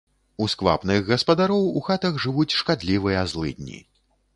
У сквапных гаспадароў у хатах жывуць шкадлівыя злыдні.